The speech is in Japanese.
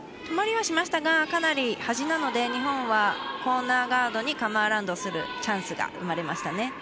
止まりはしましたがかなり端なので日本は、コーナーガードにカム・アラウンドするチャンスが生まれましたね。